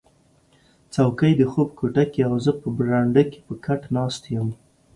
څوکی د خوب کوټه کې او زه په برنډه کې په کټ ناست یم